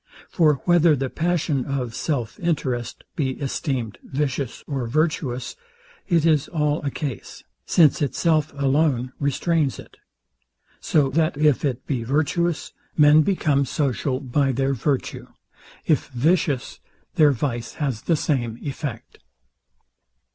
For whether the passion of self interest be esteemed vicious or virtuous, it is all a case; since itself alone restrains it: So that if it be virtuous, men become social by their virtue; if vicious, their vice has the same effect.